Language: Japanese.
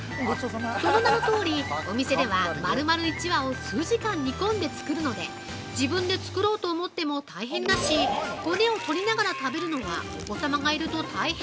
その名のとおり、お店では丸々一羽を数時間煮込んで作るので自分で作ろうと思っても大変だし骨を取りながら食べるのはお子様がいると大変。